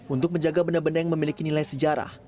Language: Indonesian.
untuk menjaga benda benda yang memiliki nilai sejarah